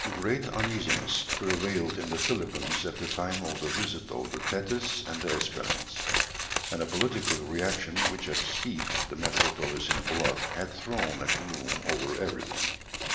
] Great uneasiness prevailed in the Philippines at the time of the visit of the Thetis and the Espérance, and a political reaction which had steeped the metropolis in blood had thrown a gloom over every one.